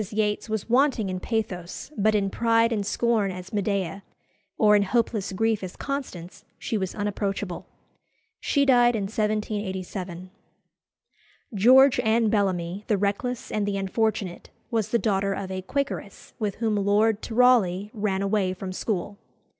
Yates was wanting in pathos, but in pride and scorn as Medea, or in hopeless grief as Constance, she was unapproachable. She died in 1787. George Anne Bellamy, the reckless and the unfortunate, was the daughter of a Quakeress, with whom Lord Tyrawley ran away from school.